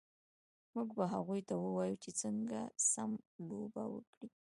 موږ به هغوی ته ووایو چې څنګه سم لوبه وکړي